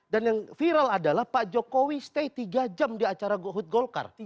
dan yang viral adalah pak jokowi stay tiga jam di acara hood golkar